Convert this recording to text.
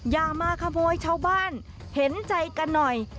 อย่ามาขโมยชาวบ้านเห็นใจกันหน่อย